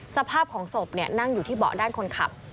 สภาพของศพนั่งอยู่ที่เบาะด้านคนขับ